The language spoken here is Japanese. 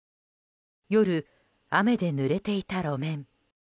夜、雨でぬれていた路面。